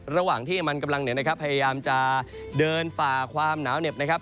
ระหว่างที่มันกำลังเนี่ยนะครับพยายามจะเดินฝ่าความหนาวเหน็บนะครับ